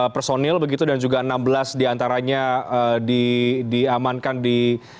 personil begitu dan juga enam belas diantaranya diamankan di